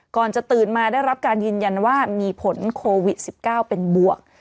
ก่อนจะตื่นมาได้รับการยืนยันว่ามีผลโควิด๑๙เป็นบวก